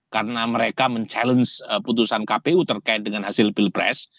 karena mereka mencabar putusan kpu terkait dengan hasil pilpres